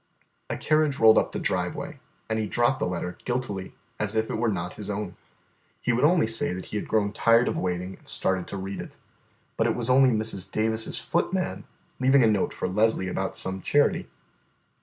A carriage rolled up the driveway and he dropped the letter guiltily, as if it were not his own. He would only say that he had grown tired of waiting and started to read it. But it was only Mrs. Davis's footman leaving a note for Leslie about some charity.